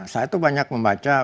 saya itu banyak membaca